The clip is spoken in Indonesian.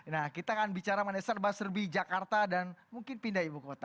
nah kita kan bicara meneserba serbi jakarta dan mungkin pindah ibu kota